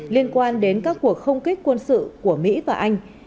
liên quan đến các cuộc không kích quân sự của mỹ và anh